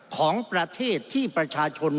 ของประเทศที่ประชาชน